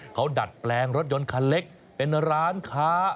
เขาดัดแปลงรถยนต์คันเล็กเป็นร้านค้า